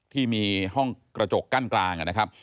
ที่มีห้องกระจกกั้นกลางนะครับ